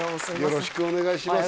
よろしくお願いします